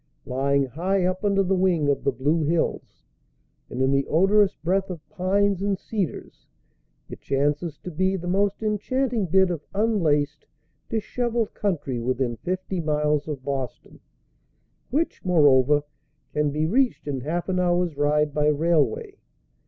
Lying high up under the wing of the Blue Hills, and in the odorous breath of pines and cedars, it chances to be the most enchanting bit of unlaced disheveled country within fifty miles of Boston, which, moreover, can be reached in half an hour's ride by railway.